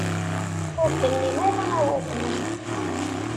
Ur d-tennim ara awal-nwen.